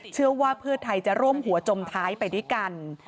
เชื่อว่าเพื่อไทยจะร่วมหัวจมท้ายไปด้วยกัน